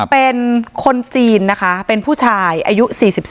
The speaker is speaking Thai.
เป็นคนจีนนะคะเป็นผู้ชายอายุ๔๔